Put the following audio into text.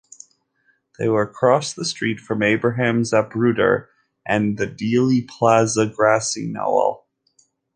They were across the street from Abraham Zapruder and the Dealey Plaza grassy knoll.